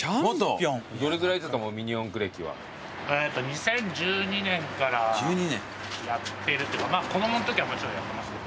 ２０１２年からやってるっていうか子供のときはもちろんやってますけど。